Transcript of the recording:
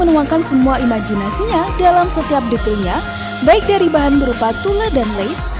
menuangkan semua imajinasinya dalam setiap detailnya baik dari bahan berupa tula dan lace